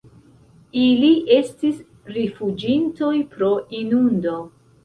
Ili estis rifuĝintoj pro inundo.